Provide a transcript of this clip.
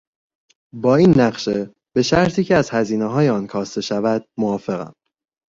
با این نقشه به شرطی که از هزینهی آن کاسته شود، موافقم.